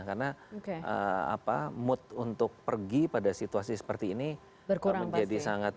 karena mood untuk pergi pada situasi seperti ini menjadi sangat